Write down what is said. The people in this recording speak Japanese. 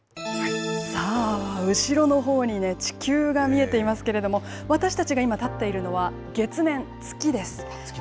後ろのほうに地球が見えていますけれども、私たちが今立っているのは、月面、月です。